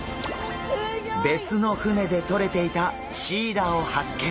別の船でとれていたシイラを発見！